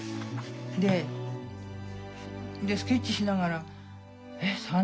でスケッチしながらえっ